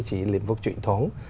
chỉ lĩnh vực truyền thống